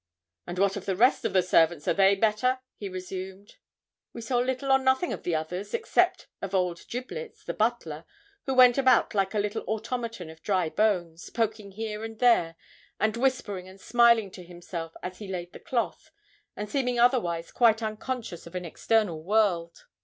'And what of the rest of the servants, are they better?' he resumed. We saw little or nothing of the others, except of old 'Giblets,' the butler, who went about like a little automaton of dry bones, poking here and there, and whispering and smiling to himself as he laid the cloth; and seeming otherwise quite unconscious of an external world.